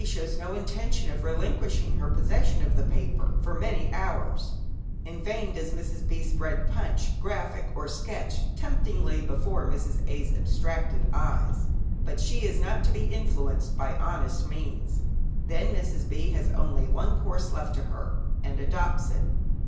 shows no intention of relinquishing her possession of the paper for many hours. In vain does Mrs. B. spread "Punch," "Graphic," or "Sketch," temptingly before Mrs. A's abstracted eyes, she is not to be influenced by honest means. Then Mrs. B. has only one course left to her, and adopts it.